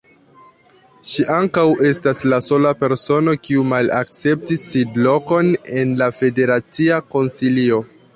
Ŝi ankaŭ estas la sola persono, kiu malakceptis sidlokon en la Federacia Konsilio.